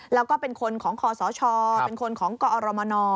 แล้วก็เป็นคนของคอสชเป็นคนของกอรมน